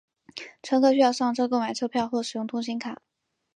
乘客需上车购买车票或使用通勤卡。